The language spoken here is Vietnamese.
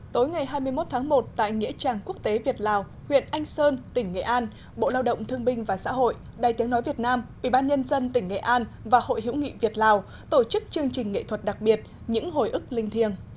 tối ngày hai mươi một tháng một tại nghĩa trang quốc tế việt lào huyện anh sơn tỉnh nghệ an bộ lao động thương binh và xã hội đài tiếng nói việt nam ubnd tỉnh nghệ an và hội hữu nghị việt lào tổ chức chương trình nghệ thuật đặc biệt những hồi ức linh thiêng